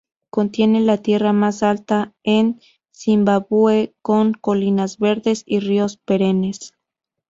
Contiene la tierra más alta en Zimbabue, con colinas verdes y ríos perennes.